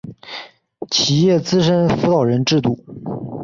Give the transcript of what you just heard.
企业资深辅导人制度